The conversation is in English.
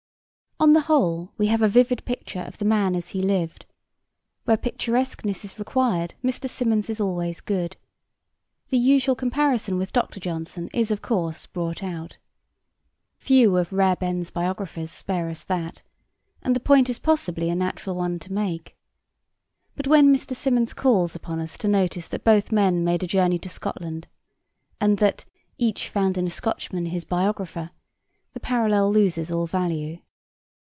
On the whole, we have a vivid picture of the man as he lived. Where picturesqueness is required, Mr. Symonds is always good. The usual comparison with Dr. Johnson is, of course, brought out. Few of 'Rare Ben's' biographers spare us that, and the point is possibly a natural one to make. But when Mr. Symonds calls upon us to notice that both men made a journey to Scotland, and that 'each found in a Scotchman his biographer,' the parallel loses all value.